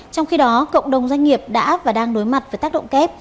trong khi đó cộng đồng doanh nghiệp đã và đang đối mặt với tác động kép